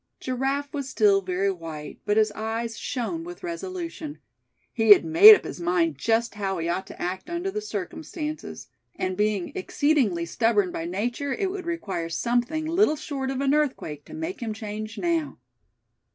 Giraffe was still very white, but his eyes shone with resolution. He had made up his mind just how he ought to act under the circumstances; and being exceedingly stubborn by nature it would require something little short of an earthquake to make him change now.